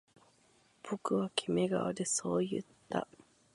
僕はキメ顔でそう言った